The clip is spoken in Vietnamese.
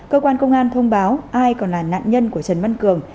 cơ quan công an thông báo ai còn là nạn nhân của trần văn cường